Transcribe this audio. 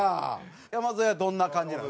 山添はどんな感じなの？